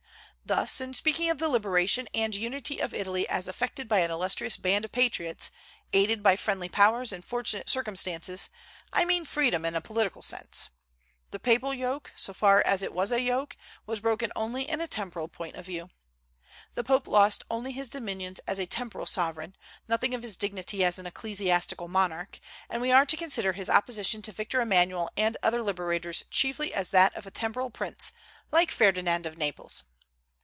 Thus, in speaking of the liberation and unity of Italy as effected by an illustrious band of patriots, aided by friendly powers and fortunate circumstances, I mean freedom in a political sense. The papal yoke, so far as it was a yoke, was broken only in a temporal point of view. The Pope lost only his dominions as a temporal sovereign, nothing of his dignity as an ecclesiastical monarch; and we are to consider his opposition to Victor Emmanuel and other liberators chiefly as that of a temporal prince, like Ferdinand of Naples.